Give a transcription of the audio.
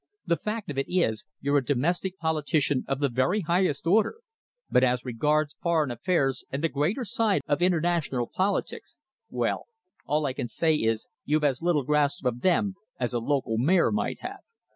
The fact of it is you're a domestic politician of the very highest order, but as regards foreign affairs and the greater side of international politics, well, all I can say is you've as little grasp of them as a local mayor might have."